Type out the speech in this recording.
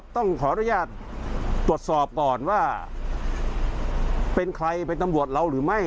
ต้องขออนุญาตตรวจสอบก่อนว่าเป็นใครเป็นตำรวจเราหรือไม่